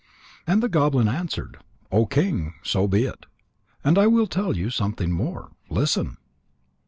And the goblin answered: "O King, so be it. And I will tell you something more. Listen.